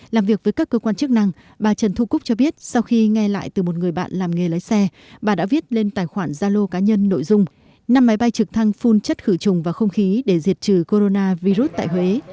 làm việc với các cơ quan chức năng bà trần thu cúc cho biết sau khi nghe lại từ một người bạn làm nghề lái xe bà đã viết lên tài khoản gia lô cá nhân nội dung năm máy bay trực thăng phun chất khử trùng và không khí để diệt trừ coronavir tại huế